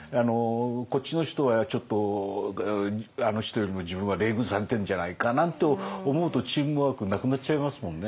こっちの人はちょっとあの人よりも自分は冷遇されてるんじゃないかなんて思うとチームワークなくなっちゃいますもんね。